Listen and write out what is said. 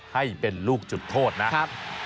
ให้เป็นลูกจุดโทษนะ